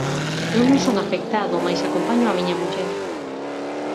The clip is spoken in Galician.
Eu non son afectado, mais acompaño a miña muller.